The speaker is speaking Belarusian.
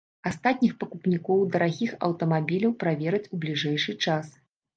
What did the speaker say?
Астатніх пакупнікоў дарагіх аўтамабіляў правераць у бліжэйшы час.